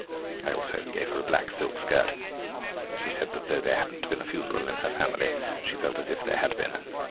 I also gave her a black silk skirt; she said that though there hadn't been a funeral in her family she felt as if there had been.